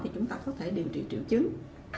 chúng ta có thể điều trị triệu chứng